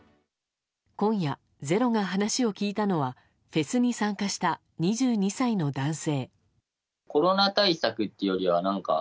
今夜、「ｚｅｒｏ」が話を聞いたのはフェスに参加した２２歳の男性。